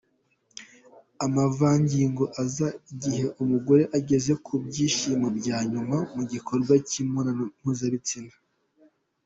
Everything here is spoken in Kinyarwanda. Amavangingo aza igihe umugore ageze ku byishimo bya nyuma mu gikorwa cy’imibonano mpuzabitsina.